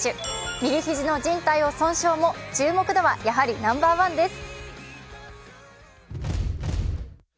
右肘のじん帯を損傷も、注目度はやはりナンバーワンです。